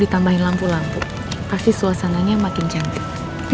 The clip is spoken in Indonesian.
tapi suasananya makin cantik